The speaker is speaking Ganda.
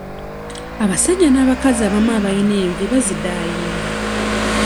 Abasajja n'abakazi abamu abalina envi bazidaayinga.